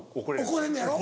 怒れんのやろ。